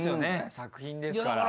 作品ですから。